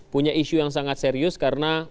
punya isu yang sangat serius karena